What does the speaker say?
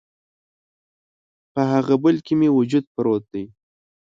په هغه بل کي مې وجود پروت دی